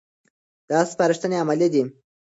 دا سپارښتنې عملي دي.